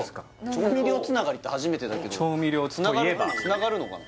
調味料つながりって初めてだけど調味料といえばつながるのかな